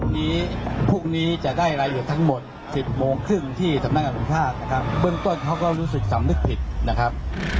วันนี้พรุ่งนี้จะได้รายละเอียดทั้งหมดสิบโมงครึ่งที่สำนักงานสุขภาพนะครับเบื้องต้นเขาก็รู้สึกสำนึกผิดนะครับ